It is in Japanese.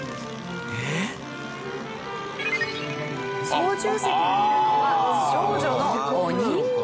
操縦席にいるのは少女のお人形。